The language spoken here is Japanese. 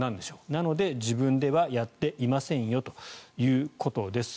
なので自分ではやっていませんよということです。